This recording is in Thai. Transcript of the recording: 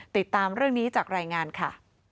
ติดตามเรื่องนี้จากรายงานค่ะ